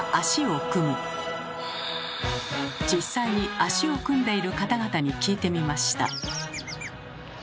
実際に足を組んでいる方々に聞いてみました。